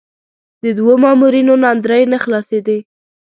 د دوو مامورینو ناندرۍ نه خلاصېدې.